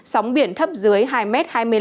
sóng biển thấp dưới hai hai mươi năm m